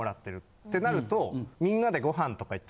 ってなると。